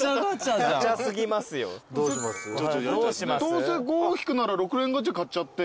どうせ５引くなら６連ガチャ買っちゃって。